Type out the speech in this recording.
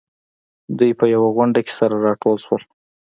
دوی په يوه غونډه کې سره راټول شول.